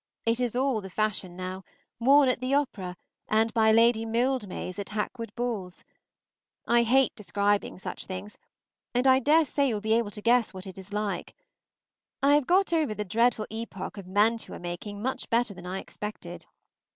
It is all the fashion now; worn at the opera, and by Lady Mildmays at Hackwood balls. I hate describing such things, and I dare say you will be able to guess what it is like. I have got over the dreadful epocha of mantua making much better than I expected.